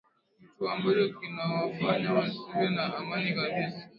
kitu ambacho kinawafanya wasiwe na amani kabisa